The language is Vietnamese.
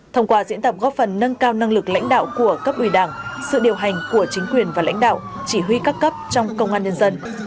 thông qua diễn tập góp phần nâng cao năng lực lãnh đạo của cấp ủy đảng sự điều hành của chính quyền và lãnh đạo chỉ huy các cấp trong công an nhân dân